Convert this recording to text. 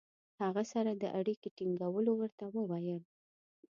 هغه سره د اړیکې ټینګولو ورته وویل.